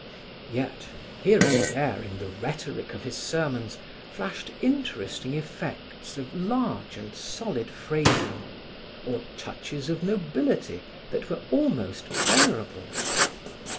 Yet, here and there in the rhetoric of his sermons, flashed interesting effects of large and solid phrasing or touches of nobility that were almost venerable.